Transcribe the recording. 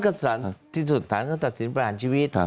ก็กลัวลงที่สุดฐานเขาตัดสินประหารชีวิต